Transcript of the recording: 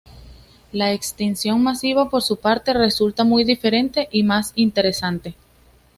La extinción masiva, por su parte, resulta muy diferente y más interesante.